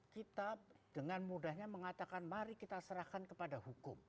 kita dengan mudahnya mengatakan mari kita serahkan kepada hukum